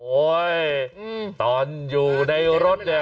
ตอนอยู่ในรถเนี่ย